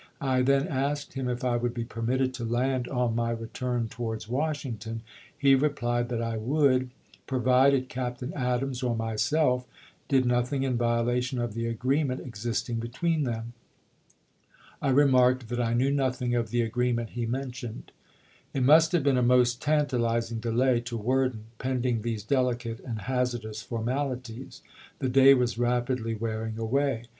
I then asked him if I would be permitted to land on my return towards Washington. He replied that I would, provided Captain Adams or myself did nothing in violation of the agreement 12 ABRAHAM LINCOLN Chap. I. Worden to Walker, Apl. 16,1861. W. R. Vol. I., p. 462. existing between them. I remarked that I knew nothing of the agreement he mentioned." It must have been a most tantalizing delay to Worden pending these delicate and hazardous for malities ; the day was rapidly wearing away.